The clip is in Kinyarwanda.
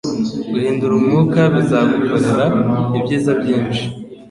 Guhindura umwuka bizagukorera ibyiza byinshi.